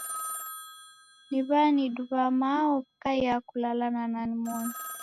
Na waniduwa mao wikaia kula na nani moni.